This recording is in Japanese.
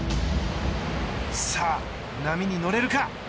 さあ、波に乗れるか。